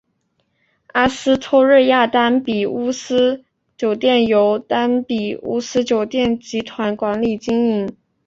阿斯托瑞亚丹比乌斯酒店由丹比乌斯酒店集团管理经营。